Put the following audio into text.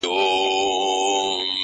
په هر قتل هر آفت کي به دى ياد وو.!